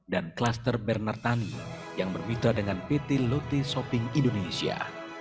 dan klaster bernard tani yang bermitra dengan pt lotte shopping indonesia